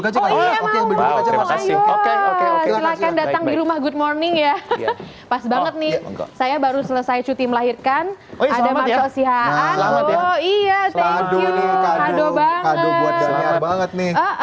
kado buat jenial banget nih